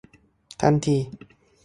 ทันที